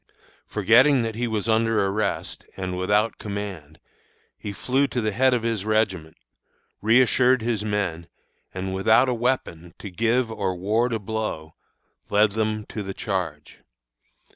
Forgetting that he was under arrest, and without command, he flew to the head of his regiment, reassured his men, and, without a weapon to give or ward a blow, led them to the charge.